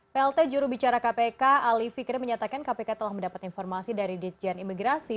plt juru bicara kpk ali fikri menyatakan kpk telah mendapat informasi dari dijan imigrasi